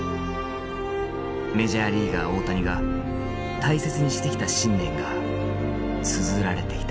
メジャーリーガー大谷が大切にしてきた信念がつづられていた。